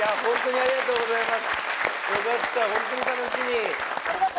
ありがとうございます